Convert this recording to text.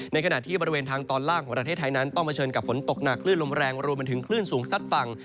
ในขณะที่บริเวณทางตอนล่างของประเทศไทยนั้นต้องเผชิญกับฝนตกหนักคลื่นลมแรงรวมมาถึงคลื่นสูงซัดฝั่ง